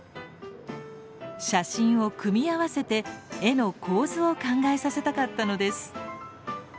写真を組み合わせて絵の構図を考えさせたかったのです。